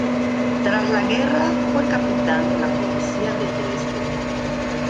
Tras la guerra fue capitán de la Policía de Dresde.